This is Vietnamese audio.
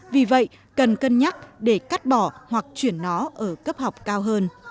vì vậy cần cân nhắc để cắt bỏ hoặc chuyển nó ở cấp học cao hơn